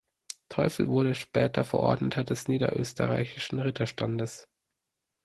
Teufel wurde später Verordneter des niederösterreichischen Ritterstandes.